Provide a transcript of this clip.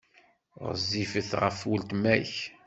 Ɣezzifet ɣef weltma-k.